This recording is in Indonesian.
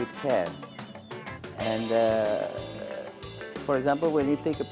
anda harus mengurangkannya dengan berat